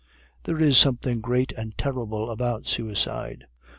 There is something great and terrible about suicide.